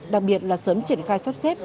đặc biệt là sớm triển khai sắp xếp